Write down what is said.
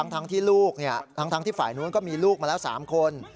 ทั้งที่ฝ่ายนู้นก็มีลูกมาแล้ว๓คน